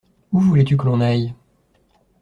Où voulais-tu que l’on aille ?